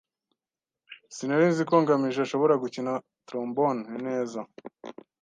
Sinari nzi ko ngamije ashobora gukina trombone neza.